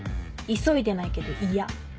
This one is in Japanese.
急いでないけど嫌。